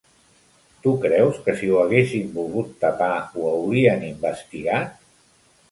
Tu creus que si ho haguessin volgut tapar ho haurien investigat?